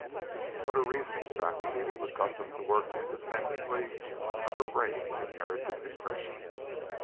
But her reasoning faculty was accustomed to work independently of her brain's inherited impressions.